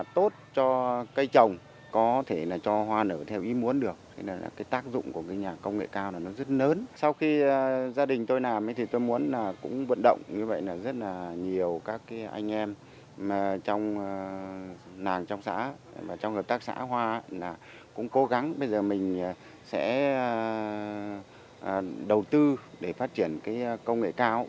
tốt cho cây trồng có thể cho hoa nở theo ý muốn được tác dụng của nhà công nghệ cao rất lớn sau khi gia đình tôi làm tôi muốn vận động như vậy rất nhiều anh em trong nàng trong xã trong hợp tác xã hoa cũng cố gắng bây giờ mình sẽ đầu tư để phát triển công nghệ cao